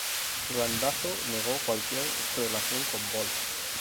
Randazzo negó cualquier relación con Bold.